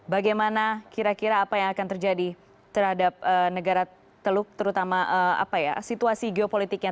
bagaimana kira kira apa yang akan terjadi terhadap negara teluk terutama situasi geopolitiknya